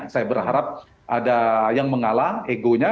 saya berharap ada yang mengalah egonya